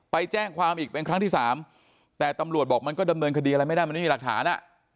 ไปแจ้งความอีกเป็นครั้งที่สามแต่ตำรวจบอกมันก็ดำเนินคดีอะไรไม่ได้มันไม่มีหลักฐาน